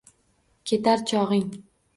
Ketar chog’ing